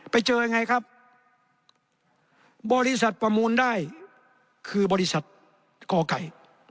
ไปเจอยังไงครับบริษัทประมูลได้คือบริษัทกไก่